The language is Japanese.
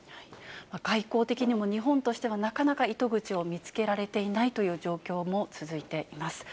外交的にも日本としてはなかなか糸口を見つけられていないという状況も続いています。